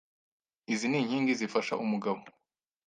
Izi ni inkingi zifasha umugabo